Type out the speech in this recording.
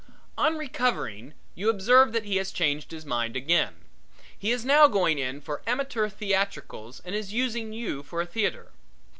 On recovering, you observe that he has changed his mind again. He is now going in for amateur theatricals and is using you for a theatre.